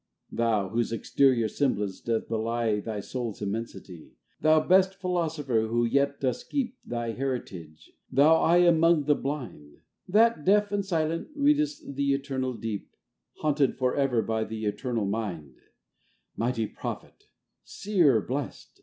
Thou, whose exterior semblance doth belie Thy Soul's immensity ; Thou best Philosopher, who yet dost keep Thy heritage, thou Eye among the blind, That, deaf and silent, read'st the eternal deep, Haunted for ever by the eternal mind, â Mighty Prophet ! Seer blest